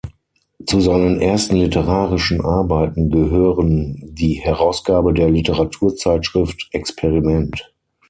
Zu seinen ersten literarischen Arbeiten gehören die Herausgabe der Literaturzeitschrift „experiment“.